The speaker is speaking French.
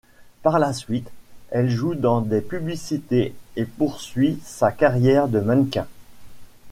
Par la suite, elle joue dans des publicités et poursuit sa carrière de mannequin.